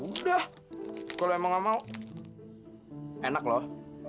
udah kalau emang gak mau enak loh